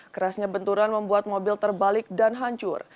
kerasnya benturan membuat mobil terbalik dan hancur